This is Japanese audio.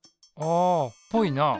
あぽいな。